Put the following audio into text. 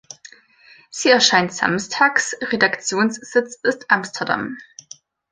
Sie erscheint samstags, Redaktionssitz ist Amsterdam.